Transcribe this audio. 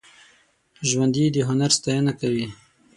ژوندي د هنر ستاینه کوي